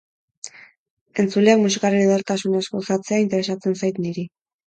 Entzuleak musikaren edertasunaz gozatzea interesatzen zait niri.